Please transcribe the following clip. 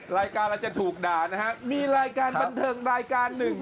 รายการเราจะถูกด่านะฮะมีรายการบันเทิงรายการหนึ่ง